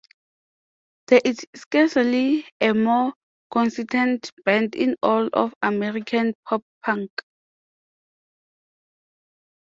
There is scarcely a more consistent band in all of American pop-punk.